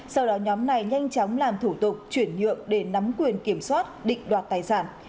sau đó nhóm này nhanh chóng làm thủ tục chuyển nhượng để nắm quyền kiểm soát định đoạt tài sản